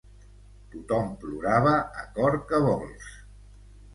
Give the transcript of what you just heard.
Tothom plorava a cor que vols